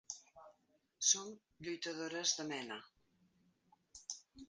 Som lluitadores de mena.